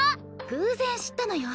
偶然知ったのよ。